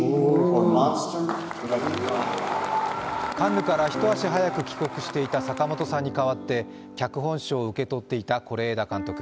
カンヌから一足早く帰国していた坂元さんにかわって脚本賞を受け取っていた是枝監督。